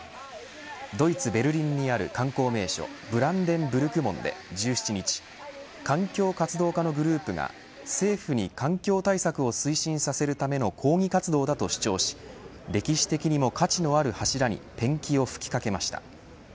ドイツ・ベルリンにある観光名所ブランデンブルク門で１７日環境活動家のグループが政府に環境対策を推進させるための抗議活動だと主張し歴史的にも価値のある柱にペンキを吹きかけました。